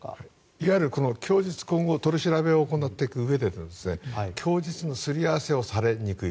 いわゆる供述今後取り調べを行っていくうえで供述のすり合わせをされにくい。